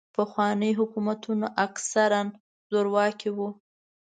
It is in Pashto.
پخواني حکومتونه اکثراً زورواکي وو.